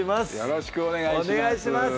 よろしくお願いします